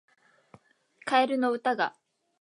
カエルの歌が